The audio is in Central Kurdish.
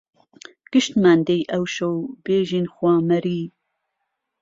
گشتمان دهی ئهوشهو بێژین خوا مهری